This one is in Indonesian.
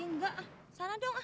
eh enggak sana dong